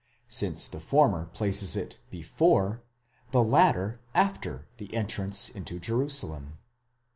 since the former places it before, the latter after the entrance into Jerusalem.